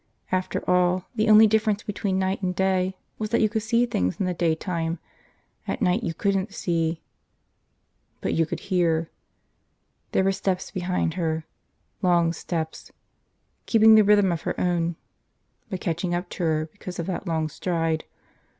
After all, the only difference between night and day was that you could see things in the daytime. At night you couldn't see ... But you could hear. There were steps behind her. Long steps. Keeping the rhythm of her own. But catching up to her because of that long stride.